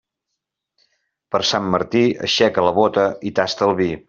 Per Sant Martí, aixeca la bóta i tasta el vi.